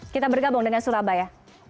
kita bergabung dengan surabaya